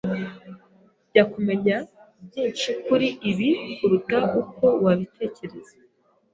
Njya kumenya byinshi kuri ibi kuruta uko wabitekereza.